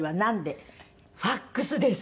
ファクスです！